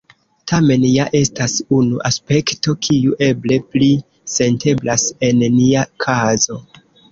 Tamen, ja estas unu aspekto, kiu eble pli senteblas en nia kazo.